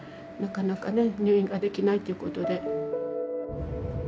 なかなかね入院ができないっていうことで。